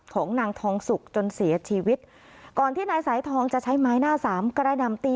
ของนางทองสุกจนเสียชีวิตก่อนที่นายสายทองจะใช้ไม้หน้าสามกระหน่ำตี